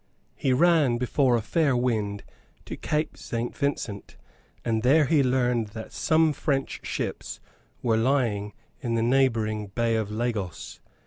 He ran before a fair wind to Cape Saint Vincent; and there he learned that some French ships were lying in the neighbouring Bay of Lagos.